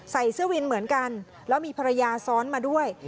ใส่เสื้อวินเหมือนกันแล้วมีภรรยาซ้อนมาด้วย